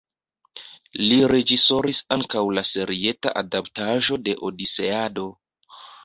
Li reĝisoris ankaŭ la serieta adaptaĵo de Odiseado.